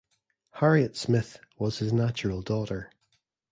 Harriet Smith was his natural daughter.